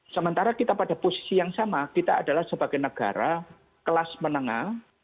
sementara kita pada posisi yang sama kita adalah sebagai negara kelas menengah